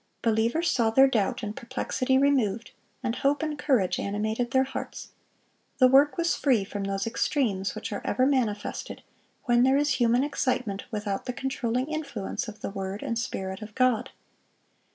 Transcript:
Believers saw their doubt and perplexity removed, and hope and courage animated their hearts. The work was free from those extremes which are ever manifested when there is human excitement without the controlling influence of the word and Spirit of God.